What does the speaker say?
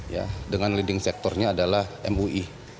ya dengan leading sectornya adalah mui